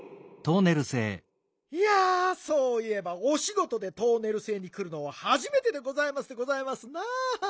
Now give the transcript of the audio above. いやそういえばおしごとでトーネルせいにくるのははじめてでございますでございますな。